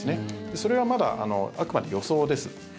それはまだ、あくまで予想です。